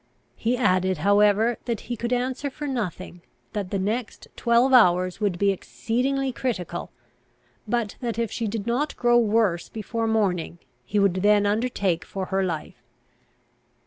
He added, however, that he could answer for nothing, that the next twelve hours would be exceedingly critical, but that if she did not grow worse before morning, he would then undertake for her life.